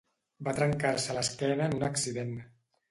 Va trencar-se l'esquena en un accident.